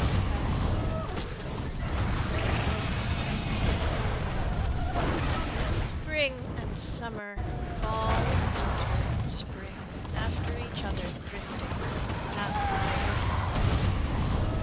Rebecca Wasson Spring and Summer, Fall and Winter and Spring, After each other drifting, past my window drifting!